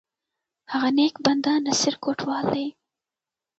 هغه نیک بنده، نصیر کوټوال دی!